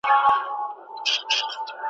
پر مخ د مځکي د جنتونو .